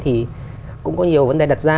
thì cũng có nhiều vấn đề đặt ra